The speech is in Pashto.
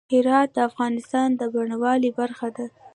هرات د افغانستان د بڼوالۍ برخه ده.